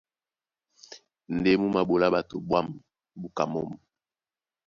Ndé mú maɓolá ɓato ɓwǎm̀ búka mǒm.